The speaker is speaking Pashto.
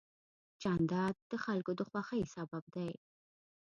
جانداد د خلکو د خوښۍ سبب دی.